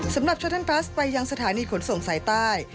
สำหรับชะทันบัสไปยังสถานีขนส่งสายใต้